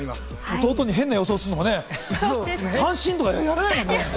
弟に変な予想するのもね、三振とか言えないもんね。